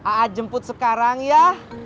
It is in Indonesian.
aa jemput sekarang ya